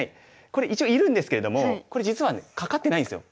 これ一応いるんですけれどもこれ実はねかかってないんですよ。